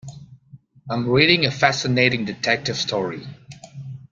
I'm reading a fascinating detective story.